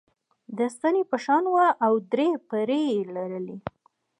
د ستنې په شان وه او درې پرې یي لرلې.